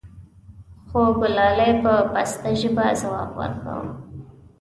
خوګلالۍ به په پسته ژبه ځواب وركا و :